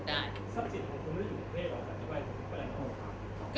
ทรัพย์สิทธิ์ของคุณไม่ได้อยู่ในเฟสหรือที่ไวน์คืออะไรของคุณครับ